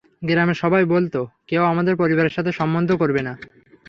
গ্রামের সবাই বলতো কেউ আমাদের পরিবারের সাথে সম্বন্ধ করবে না।